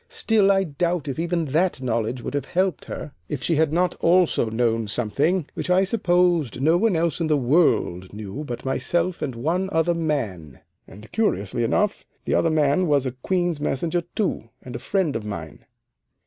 Still, I doubt if even that knowledge would have helped her if she had not also known something which I supposed no one else in the world knew but myself and one other man. And, curiously enough, the other man was a Queen's Messenger too, and a friend of mine.